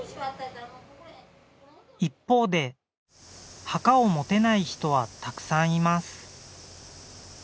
一方で墓を持てない人はたくさんいます。